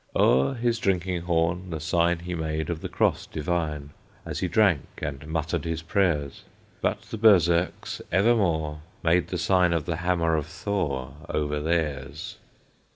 O'er his drinking horn, the sign He made of the cross divine, As he drank, and muttered his prayers; But the Berserks evermore Made the sign of the Hammer of Thor Over theirs.